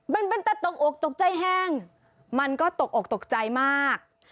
มันเป็นแต่ตกอกตกใจแห้งมันก็ตกอกตกใจมาก